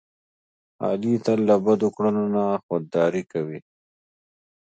علي تل له بدو کړنو نه خوداري کوي.